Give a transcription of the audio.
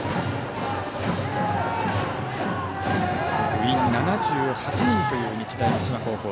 部員７８人という日大三島高校。